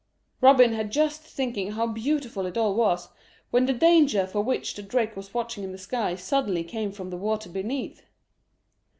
Robin was Just thinking how beautiful it all was, when the danger for which the drake was watching in the sky suddenly came from the water beneath.